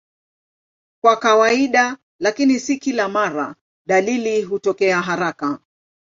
Kwa kawaida, lakini si kila mara, dalili hutokea haraka.